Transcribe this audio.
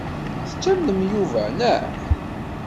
Tettamnem Yuba, naɣ?